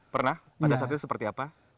pernah pada saat itu seperti apa